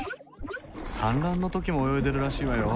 産卵の時も泳いでるらしいわよ。